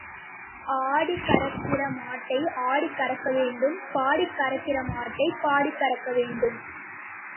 ஆடிக் கறக்கிற மாட்டை ஆடிக் கறக்க வேண்டும் பாடிக் கறக்கிற மாட்டைப் பாடிக் கறக்க வேண்டும்.